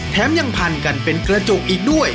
แถมยังพันกันเป็นกระจุกอีกด้วย